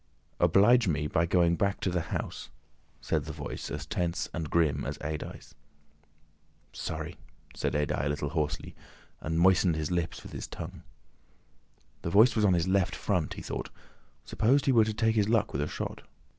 "Oblige me by going back to the house," said the Voice, as tense and grim as Adye's. "Sorry," said Adye a little hoarsely, and moistened his lips with his tongue. The Voice was on his left front, he thought. Suppose he were to take his luck with a shot?